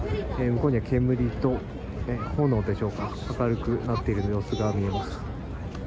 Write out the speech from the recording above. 向こうには煙と炎でしょうか、明るくなっている様子が見えます。